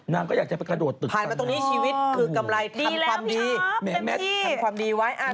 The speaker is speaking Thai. ทำความดีไว้